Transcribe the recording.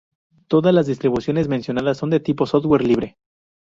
Todas las distribuciones mencionadas son de tipo software libre.